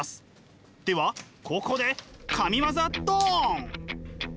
ではここで神業ドン！